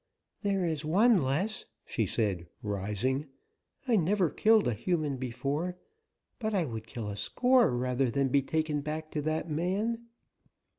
"There is one less," she said, rising. "I never killed a human before, but I would kill a score rather than be taken back to that man.